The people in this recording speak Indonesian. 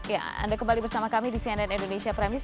ya anda kembali bersama kami di cnn indonesia prime news